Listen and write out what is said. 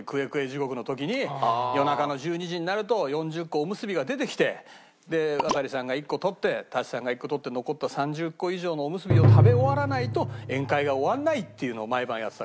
地獄の時に夜中の１２時になると４０個おむすびが出てきて渡さんが１個取って舘さんが１個取って残った３０個以上のおむすびを食べ終わらないと宴会が終わらないっていうのを毎晩やってたからさ。